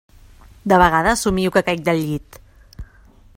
De vegades somio que caic del llit.